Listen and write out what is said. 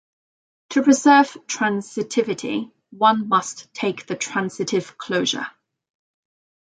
To preserve transitivity, one must take the transitive closure.